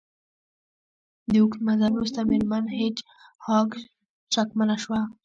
د اوږد مزل وروسته میرمن هیج هاګ شکمنه شوه